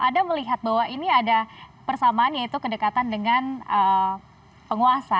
anda melihat bahwa ini ada persamaan yaitu kedekatan dengan penguasa